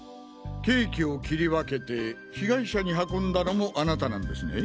ケーキを切り分けて被害者に運んだのもあなたなんですね？